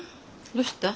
どうした？